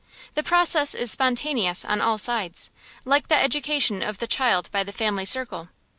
The process is spontaneous on all sides, like the education of the child by the family circle.